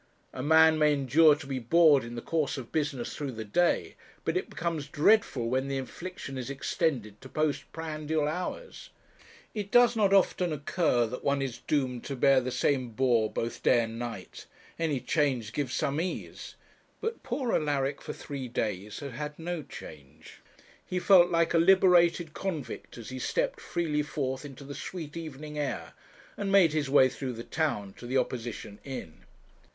A man may endure to be bored in the course of business through the day, but it becomes dreadful when the infliction is extended to post prandial hours. It does not often occur that one is doomed to bear the same bore both by day and night; any change gives some ease; but poor Alaric for three days had had no change. He felt like a liberated convict as he stepped freely forth into the sweet evening air, and made his way through the town to the opposition inn.